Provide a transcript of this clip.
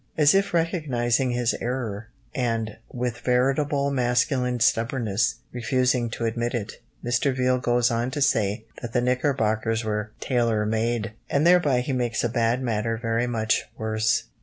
As if recognising his error, and, with veritable masculine stubbornness, refusing to admit it, Mr. Viele goes on to say that the knickerbockers were "tailor made!" And thereby he makes a bad matter very much worse.